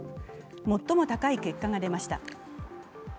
最も高い結果が出ました。